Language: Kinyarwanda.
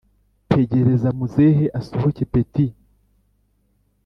Tegereza muzehe asohoke petti